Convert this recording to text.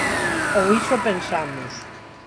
Ou iso pensamos.